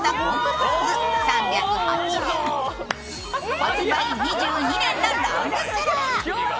発売２２年のロングセラー。